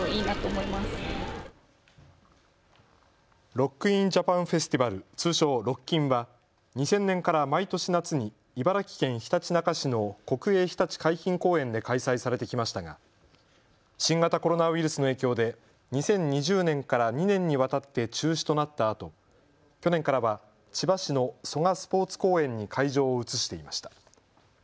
ロック・イン・ジャパン・フェスティバル、通称ロッキンは２０００年から毎年夏に茨城県ひたちなか市の国営ひたち海浜公園で開催されてきましたが新型コロナウイルスの影響で２０２０年から２年にわたって中止となったあと去年からは千葉市の蘇我スポーツ公園に会場を移していました。